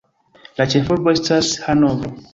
La ĉefurbo estas Hanovro.